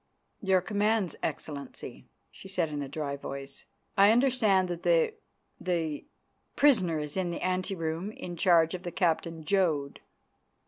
"Your commands, Excellency," she said in a dry voice. "I understand that the the prisoner is in the ante room in charge of the Captain Jodd."